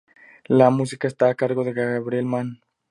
La música está a cargo de Gabriel Mann.